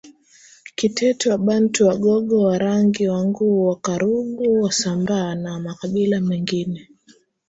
Kiteto Wabantu Wagogo Warangi Wanguu Wakaguru Wasambaa na makabila mengine